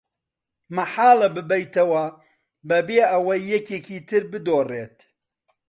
مەحاڵە ببەیتەوە بەبێ ئەوەی یەکێکی تر بدۆڕێت.